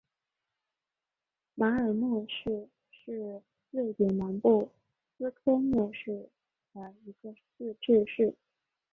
马尔默市是瑞典南部斯科讷省的一个自治市。